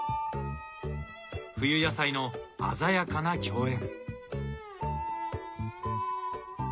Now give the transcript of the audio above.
冬野菜の鮮やかな競演。